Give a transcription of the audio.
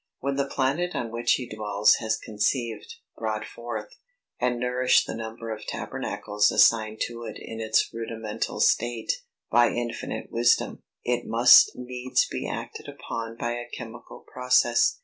When the planet on which he dwells has conceived, brought forth, and nourished the number of tabernacles assigned to it in its rudimental state, by infinite wisdom, it must needs be acted upon by a chemical process.